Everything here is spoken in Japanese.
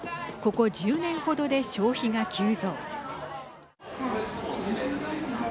ここ１０年ほどで消費が急増。